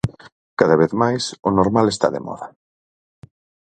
Cada vez máis, o normal está de moda.